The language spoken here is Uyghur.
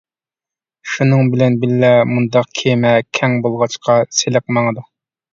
شۇنىڭ بىلەن بىللە، مۇنداق كېمە كەڭ بولغاچقا سىلىق ماڭىدۇ.